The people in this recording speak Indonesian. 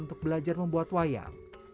untuk belajar membuat wayang